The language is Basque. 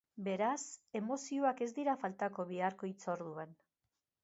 Beraz, emozioak ez dira faltako biharko hitzorduan.